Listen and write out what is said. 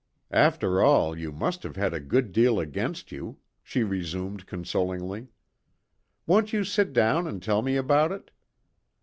"After all, you must have had a good deal against you," she resumed consolingly. "Won't you sit down and tell me about it?